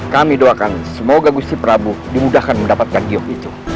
kami doakan semoga bistri pradu dimudahkan mendapatkan giyok itu